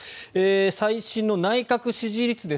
最新の内閣支持率です。